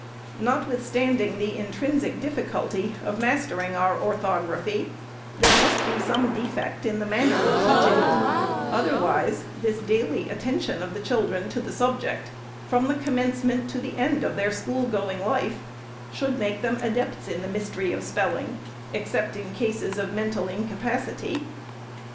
Notwithstanding the intrinsic difficulty of master ing our orthography, there must be some defect in the manner of teaching it ;— otherwise, this daily attention of the children to the subject, from the commencement to the end of their school going life, would make them adepts in the mystery of spelling, except in cases of men tal incapacity.